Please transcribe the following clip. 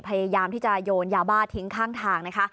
พยายามที่จะโยนยาบ้าทิ้งข้างทางนะคะ